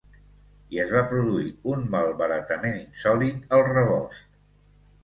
I es va produir un malbaratament insòlit al rebost.